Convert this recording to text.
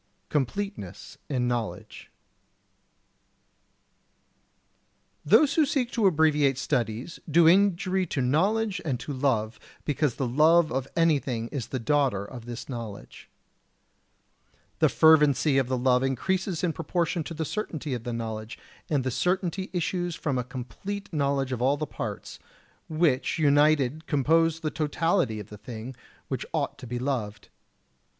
[Sidenote: Completeness in Knowledge] 48. Those who seek to abbreviate studies do injury to knowledge and to love because the love of anything is the daughter of this knowledge. The fervency of the love increases in proportion to the certainty of the knowledge, and the certainty issues from a complete knowledge of all the parts, which united compose the totality of the thing which ought to be loved.